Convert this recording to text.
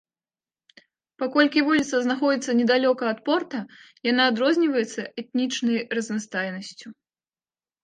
Паколькі вуліца знаходзіцца недалёка ад порта, яна адрозніваецца этнічнай разнастайнасцю.